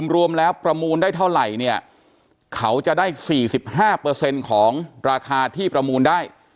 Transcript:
รวมแล้วประมูลได้เท่าไหร่เนี่ยเขาจะได้๔๕ของราคาที่ประมูลได้